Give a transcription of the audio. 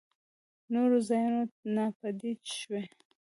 نورو ځايونو ناپديد شوي.